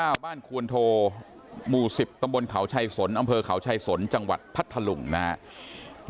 ชาวบ้านควนโทหมู่สิบตำบลเขาชายสนอำเภอเขาชายสนจังหวัดพัทธลุงนะฮะ